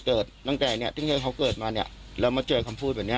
เกิดตั้งแต่เนี้ยที่เขาเกิดมาเนี่ยแล้วมาเจอคำพูดแบบเนี้ย